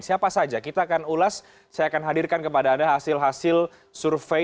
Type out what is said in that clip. siapa saja kita akan ulas saya akan hadirkan kepada anda hasil hasil survei